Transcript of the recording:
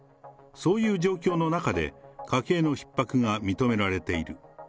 そういう状況の中で、家計のひっ迫が認められている。